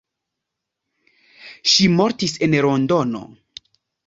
Ŝi mortis en Londono.